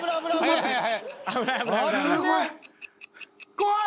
怖い！